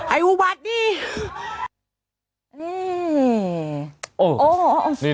ไอ้อุบัตินี่